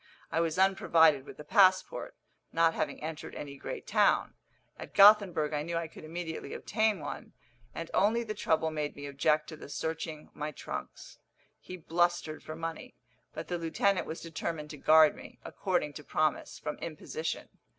I was unprovided with a passport, not having entered any great town. At Gothenburg I knew I could immediately obtain one, and only the trouble made me object to the searching my trunks. He blustered for money; but the lieutenant was determined to guard me, according to promise, from imposition.